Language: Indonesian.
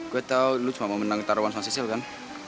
gue tau lu cuma mau menang taro once sama si sil kan